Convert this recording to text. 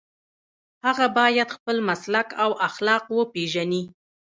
هغه باید خپل مسلک او اخلاق وپيژني.